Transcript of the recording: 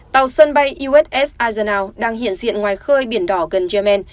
tàu sân bay uss azerna đang hiện diện ngoài khơi biển đỏ gần yemen